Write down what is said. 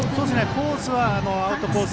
コースはアウトコース